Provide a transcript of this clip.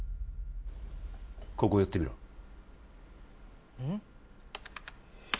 ここ寄ってみろうん？